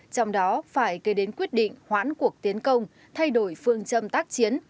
trong đó phải kể đến quyết định hoãn cuộc tiến công thay đổi phương châm tác chiến